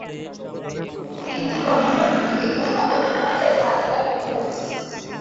কিন্তু বর্তমান যুগে উহা অতিমাত্রায় বাড়িয়া উঠিয়াছে।